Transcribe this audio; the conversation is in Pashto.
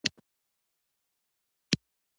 لمر ورو ورو خپلې وړانګې پراخولې.